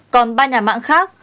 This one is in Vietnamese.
còn ba nhà mạng khác